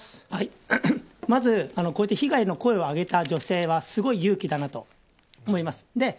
まず、被害の声を上げた女性はすごい勇気だなと思います。